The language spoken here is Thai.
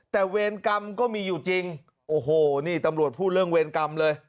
แต่เวรกรรมก็มีอยู่จริงโอ้โหนี่ตำรวจพูดเรื่องเวรกรรมเลย